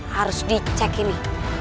harus dicek ini